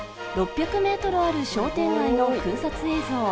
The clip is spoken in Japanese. ６００ｍある商店街の空撮映像。